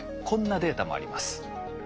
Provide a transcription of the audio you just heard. こんなデータもあります。